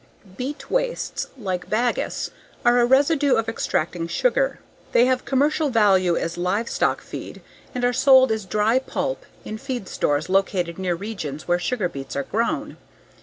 _ Beet wastes, like bagasse, are a residue of extracting sugar. They have commercial value as livestock feed and are sold as dry pulp in feed stores located near regions where sugar beets are grown.